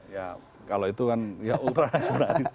ya kalau itu kan ya ultra nasionalis